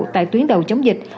tại tuyến đầu chống dịch